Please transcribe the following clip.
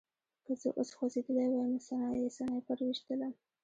که زه اوس خوځېدلی وای نو سنایپر ویشتلم